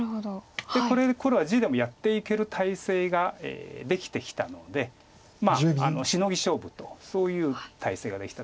これで黒は地でもやっていける態勢ができてきたのでシノギ勝負とそういう態勢ができたと思うんです。